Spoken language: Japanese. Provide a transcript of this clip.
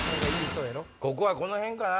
ここはこのへんかな。